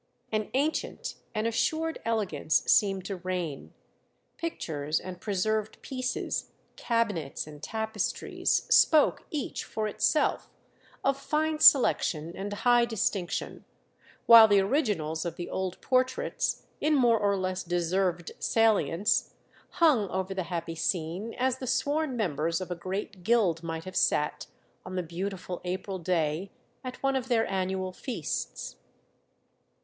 An ancient, an assured elegance seemed to reign; pictures and preserved "pieces," cabinets and tapestries, spoke, each for itself, of fine selection and high distinction; while the originals of the old portraits, in more or less deserved salience, hung over the happy scene as the sworn members of a great guild might have sat, on the beautiful April day, at one of their annual feasts.